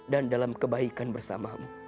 dan dalam kebaikan bersamamu